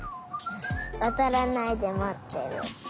わたらないでまってる。